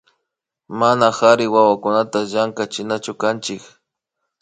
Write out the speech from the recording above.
Mana kari wawakunata llankachinachukanchik